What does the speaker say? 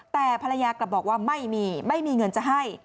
แต่ภรรยากลับบอกว่าไม่มีไม่มีเงินจะให้